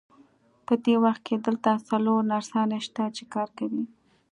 په دې وخت کې دلته څلور نرسانې شته، چې کار کوي.